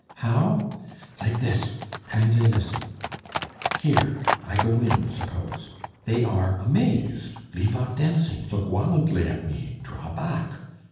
How? Like this. Kindly listen.... "Here ... I go in, suppose; they are amazed, leave off dancing, look wildly at me, draw back.